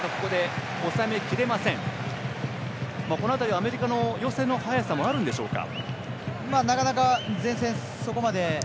この辺り、アメリカの寄せの速さもあるんでしょうか。